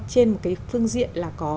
trên một cái phương diện là có